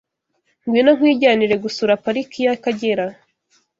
Ngwino nkwijyanire gusura Pariki y’Akagera